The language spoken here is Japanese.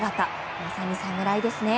まさに侍ですね。